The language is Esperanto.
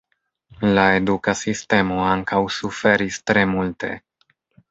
La eduka sistemo ankaŭ suferis tre multe.